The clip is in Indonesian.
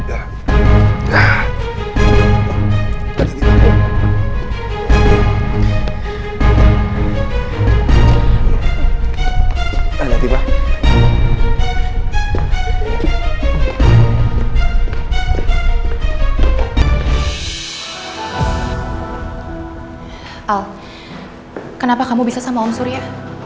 al kenapa kamu bisa sama om suri ya